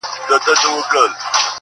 د وړې اوسپني زور نه لري لوېږي٫